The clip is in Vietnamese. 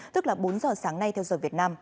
tức là bốn giờ sáng nay theo giờ việt nam